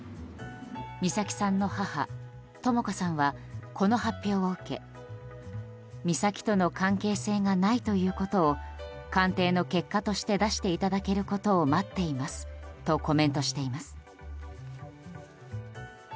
美咲さんの母とも子さんはこの発表を受け美咲との関係性がないということを鑑定の結果として出していただけることを待っていますとコメントしています。